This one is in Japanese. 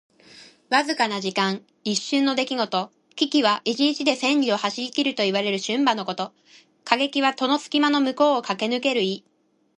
わずかな時間。一瞬の出来事。「騏驥」は一日で千里を走りきるといわれる駿馬のこと。「過隙」は戸の隙間の向こう側をかけぬける意。